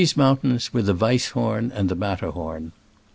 mountains were the Weisshom and the Matterhorn.